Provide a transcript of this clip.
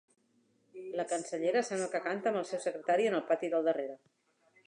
La cancellera sembla que canta amb el seu secretari en el pati del darrere.